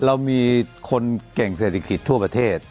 เรามีคนเก่งเศรษฐกิจทั่วประเทศ